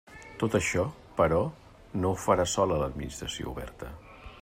Tot això, però, no ho farà sola l'Administració Oberta.